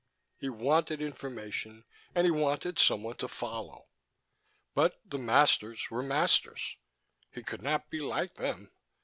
He wanted information, and he wanted someone to follow. But the masters were masters: he could not be like them.